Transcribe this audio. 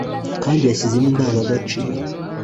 kandi yanshizemo indangagaciro